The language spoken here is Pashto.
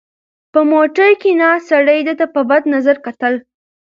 په موټر کې ناست سړي ده ته په بد نظر کتل.